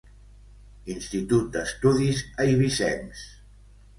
Institut d'estudis eivissencs.